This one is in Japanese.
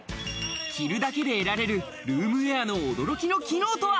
着るだけで得られるルームウェアの驚きの機能とは？